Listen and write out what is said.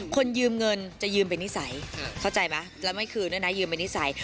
คนยืมเงินจะยืมเป็นนิสัยเข้าใจไหมแล้วไม่คืนด้วยนะยืมเป็นนิสัย